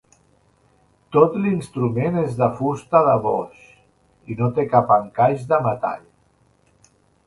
Tot l’instrument és de fusta de boix i no té cap encaix de metall.